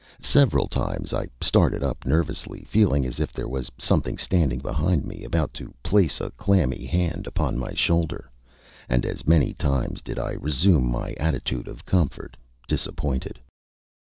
Several times I started up nervously, feeling as if there was something standing behind me about to place a clammy hand upon my shoulder, and as many times did I resume my attitude of comfort, disappointed.